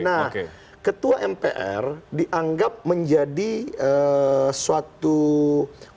nah ketua mpr dianggap menjadi suatu komposisi yang menarik